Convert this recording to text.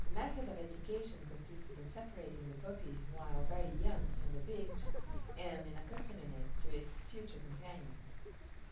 The method of education consists in separating the puppy, while very young, from the bitch, and in accustoming it to its future companions.